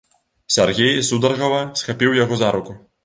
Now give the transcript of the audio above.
Сяргей сударгава схапіў яго за руку.